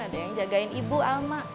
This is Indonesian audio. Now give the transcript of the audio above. ada yang jagain ibu alma